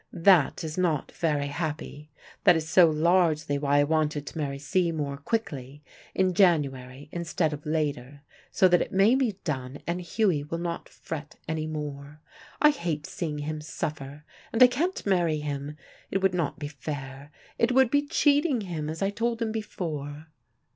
"That is not very happy. That is so largely why I wanted to marry Seymour quickly, in January instead of later, so that it may be done, and Hughie will not fret any more. I hate seeing him suffer, and I can't marry him. It would not be fair: it would be cheating him, as I told him before."